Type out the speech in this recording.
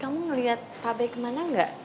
kamu ngeliat pak bay kemana gak